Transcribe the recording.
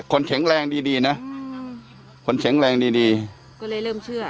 แข็งแรงดีดีนะคนแข็งแรงดีดีก็เลยเริ่มเชื่อ